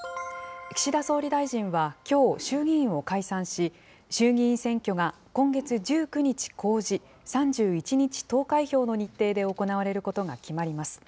岸田総理大臣はきょう、衆議院を解散し、衆議院選挙が今月１９日公示、３１日投開票の日程で行われることが決まります。